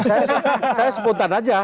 saya sepuntan aja